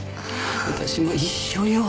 私も一緒よ。